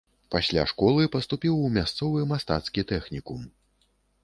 Пасля школы паступіў у мясцовы мастацкі тэхнікум.